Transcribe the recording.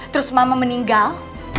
terus mama meninggal